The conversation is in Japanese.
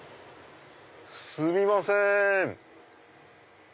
すみません！